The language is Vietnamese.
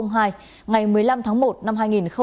ngày một mươi năm tháng một năm hai nghìn một mươi ba